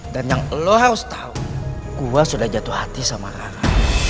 dan yang lo harus tahu gue sudah jatuh hati sama rara